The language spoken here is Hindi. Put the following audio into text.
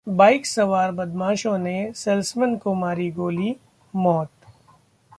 बाइक सवार बदमाशों ने सेल्समैन को मारी गोली, मौत